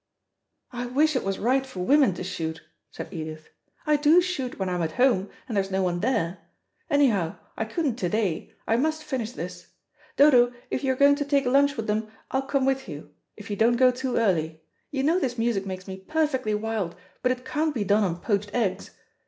"I wish it was right for women to shoot," said Edith. "I do shoot when I'm at home, and there's no one there. Anyhow I couldn't to day. I must finish this. Dodo, if you are going to take lunch with them, I'll come with you, if you don't go too early. You know this music makes me perfectly wild, but it can't be done on poached eggs.